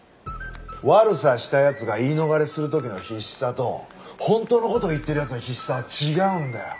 悪さした奴が言い逃れする時の必死さと本当の事を言ってる奴の必死さは違うんだよ。